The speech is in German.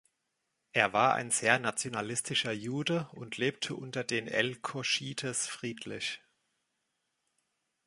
Er war ein sehr nationalistischer Jude und lebte unter den Elkoshites friedlich.